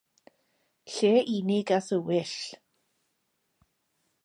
Lle unig a thywyll.